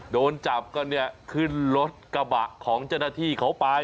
โดนจับก็เนี่ยขึ้นรถกระบะของเจ้าหน้าที่เขาไป